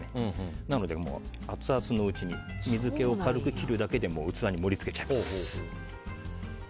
なのでもうアツアツのうちに水気を軽く切るだけで器に盛り付けちゃいます。